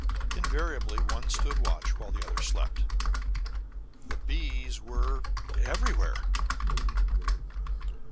Invariably one stood watch while the other slept. The bees were everywhere!